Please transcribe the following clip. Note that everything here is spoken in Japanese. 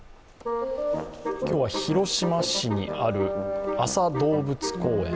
今日は、広島市にある安佐動物公園。